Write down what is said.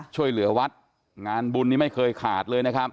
ช่วยเหลือวัดงานบุญนี้ไม่เคยขาด